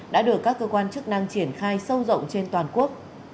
đã được các cơ quan chức năng triển khai sâu rộng trên toàn quốc